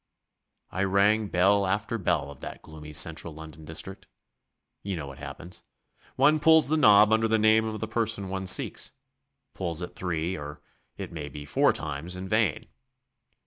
I rang bell after bell of that gloomy central London district. You know what happens. One pulls the knob under the name of the person one seeks pulls it three, or, it may be, four times in vain.